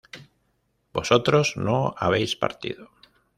vosotros no habéis partido